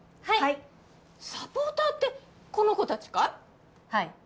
はいサポーターってこの子達かい？